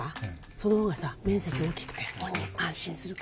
その方がさ面積大きくて本人安心するから。